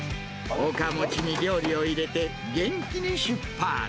おかもちに料理を入れて、元気に出発。